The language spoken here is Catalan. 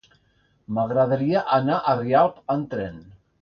M'agradaria anar a Rialp amb tren.